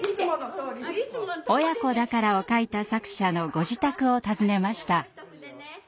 「親子だから」を書いた作者のご自宅を訪ねました。